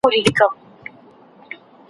چیګوارا به ویل